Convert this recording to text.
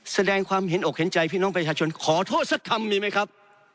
แสดงความเห็นอกเห็นใจพี่น้องประชาชนขอโทษสักคำหนึ่งไหมครับ